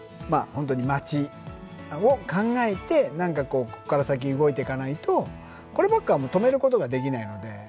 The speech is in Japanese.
本当に町を考えて何かこうこっから先動いてかないとこればっかは止めることができないので。